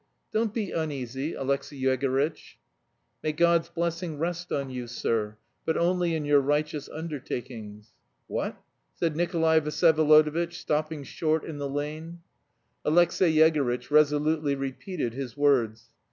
"Don't be uneasy, Alexey Yegorytch." "May God's blessing rest on you, sir, but only in your righteous undertakings." "What?" said Nikolay Vsyevolodovitch, stopping short in the lane. Alexey Yegorytch resolutely repeated his words.